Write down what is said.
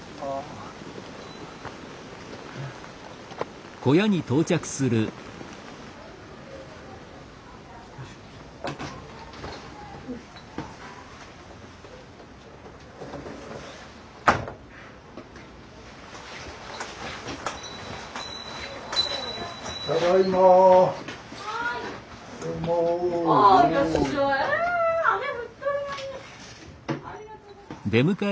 ありがとう。